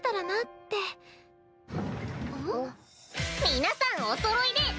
皆さんおそろいで。